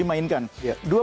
mungkin dia sudah dimainkan